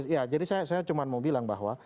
ya jadi saya cuma mau bilang bahwa